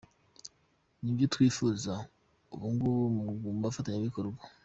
Ni byo twifuza ubungubu mu bafatanyabikorwa.